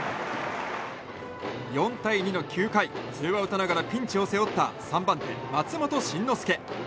４対２の９回、ツーアウトながらピンチを背負った３番手、松本慎之介。